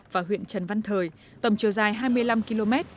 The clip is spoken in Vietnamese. và huyện trần văn thời tổng chiều dài hai mươi năm km